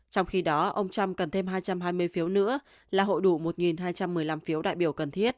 trong khi đó ông trump cần thêm hai trăm hai mươi phiếu nữa là hội đủ một hai trăm một mươi năm phiếu đại biểu cần thiết